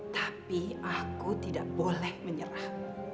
tapi aku tidak boleh menyerah